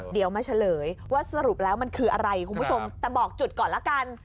เดี๋ยวมาเฉลยว่าสรุปแล้วมันคืออะไรคุณผู้ชมแต่บอกจุดก่อนละกัน